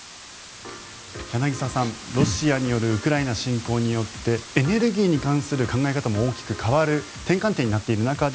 柳澤さん、ロシアによるウクライナ侵攻によってエネルギーに関する考え方も大きく変わる転換点になっている中で